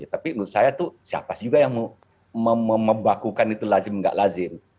tapi menurut saya siapa sih yang membahagikan itu lazim atau tidak lazim